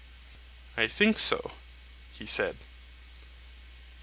I think so, he said.